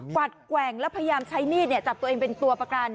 วัดแกว่งแล้วพยายามใช้มีดจับตัวเองเป็นตัวประกัน